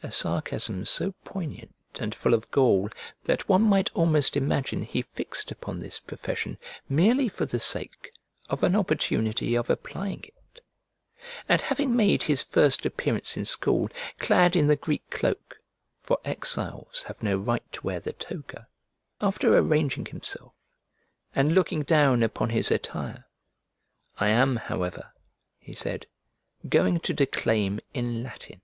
A sarcasm so poignant and full of gall that one might almost imagine he fixed upon this profession merely for the sake of an opportunity of applying it. And having made his first appearance in school, clad in the Greek cloak (for exiles have no right to wear the toga), after arranging himself and looking down upon his attire, "I am, however," he said, "going to declaim in Latin."